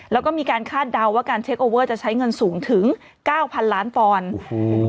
แล้วก็มีการคาดเดาว่าการเทคโอเวอร์จะใช้เงินสูงถึงเก้าพันล้านปอนด์อืม